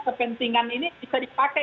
kepentingan ini bisa dipakai